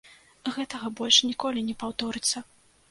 Гэтага больш ніколі не паўторыцца.